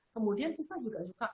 kemudian kita juga suka